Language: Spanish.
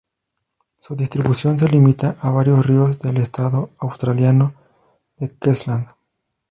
Su distribución se limita a varios ríos del estado australiano de Queensland.